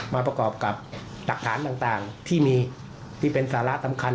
ประกอบกับหลักฐานต่างที่มีที่เป็นสาระสำคัญ